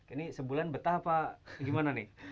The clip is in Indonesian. ini sebulan betah apa gimana nih